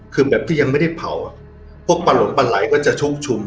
คือแบบที่ยังไม่ได้เผาอ่ะพวกปลาหลงปลาไหลก็จะชกชุม